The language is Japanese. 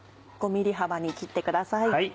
５ｍｍ幅に切ってください。